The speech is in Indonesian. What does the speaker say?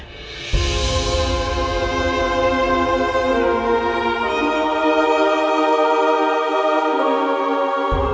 gak inget semuanya